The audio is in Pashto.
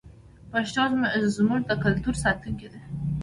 پښتو زموږ د کلتور ساتونکې ده.